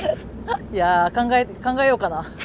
◆考えようかな。